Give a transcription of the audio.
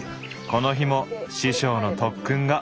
この日も師匠の特訓が。